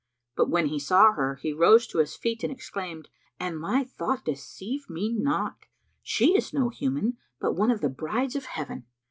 But when he saw her, he rose to his feet and exclaimed, "An my thought deceive me not, she is no human, but one of the brides of Heaven!"